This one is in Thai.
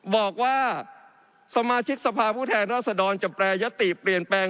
บอกว่าสมาชิกสภาพผู้แทนราษฎรจะแปรยติเปลี่ยนแปลง